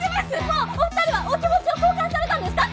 もうお二人はお気持ちを交換されたんですか？